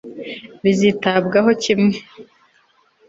Bizitabwaho kimwe